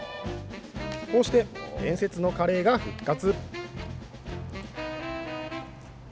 こうして伝説のカレーが復活。